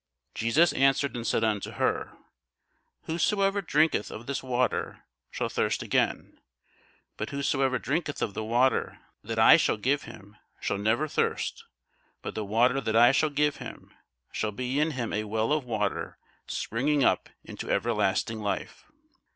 Jesus answered and said unto her, Whosoever drinketh of this water shall thirst again: but whosoever drinketh of the water that I shall give him shall never thirst; but the water that I shall give him shall be in him a well of water springing up into everlasting life.